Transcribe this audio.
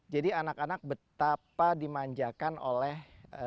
jadi anak anak betapa dimanjakan oleh